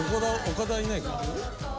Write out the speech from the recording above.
岡田はいないか。